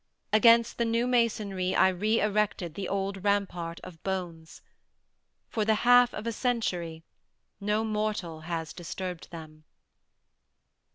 Against the new masonry I re erected the old rampart of bones. For the half of a century no mortal has disturbed them.